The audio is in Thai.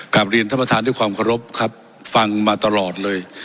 กลับเรียนท่านประธานด้วยความเคารพครับฟังมาตลอดเลย